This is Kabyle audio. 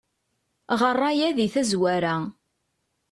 Ɣer aya di tazwara.